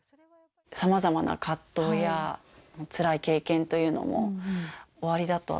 さまざまな葛藤やつらい経験というのもおありだと。